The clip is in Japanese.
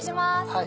はい。